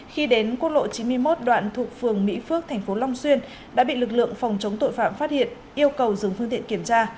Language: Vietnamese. khi đến quốc lộ chín mươi một đoạn thuộc phường mỹ phước tp long xuyên đã bị lực lượng phòng chống tội phạm phát hiện yêu cầu dừng phương tiện kiểm tra